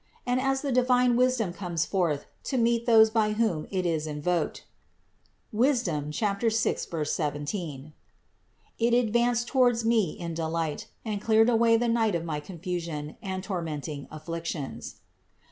And as the divine Wisdom comes forth to meet those by whom it is invoked (Wis. 6, 17), it advanced toward me in delight and cleared away the night of my confusion and tormenting afflictions.